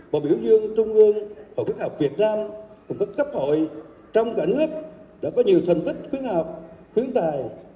và biểu dương trung ương hội khuyến học việt nam cùng các cấp hội trong cả nước đã có nhiều thành tích khuyến học khuyến tài